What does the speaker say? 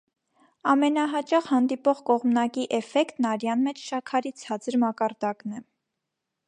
Ամենահաճախ հանդիպող կողմնակի էֆեկտն արյան մեջ շաքարի ցածր մակարդակն է։